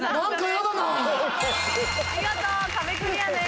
見事壁クリアです。